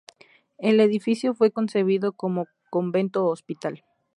El edificio fue concebido como convento-hospital.